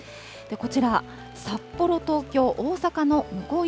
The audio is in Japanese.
こちら、札幌、東京、大阪の向こう